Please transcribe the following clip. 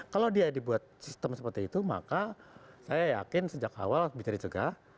kalau dia dibuat sistem seperti itu maka saya yakin sejak awal bisa dicegah